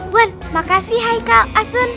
ah buan makasih haical asun